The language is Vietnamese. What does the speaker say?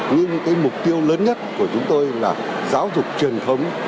nhưng cái mục tiêu lớn nhất của chúng tôi là giáo dục truyền thống